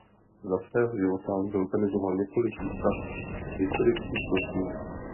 Za svého života zorganizoval několik výstav historických kostýmů.